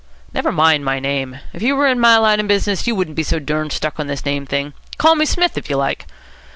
"Never mind my name. If you were in my line of business, you wouldn't be so durned stuck on this name thing. Call me Smith, if you like."